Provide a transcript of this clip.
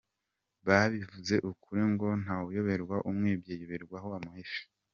Babivuze ukuri ngo “ntawuyoberwa umwibye, ayoberwa aho amuhishe”.